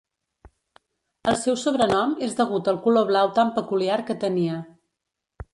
El seu sobrenom és degut al color blau tan peculiar que tenia.